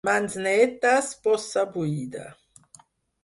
Mans netes, bossa buida.